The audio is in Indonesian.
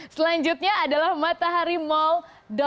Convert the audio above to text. selanjutnya adalah mataharimall com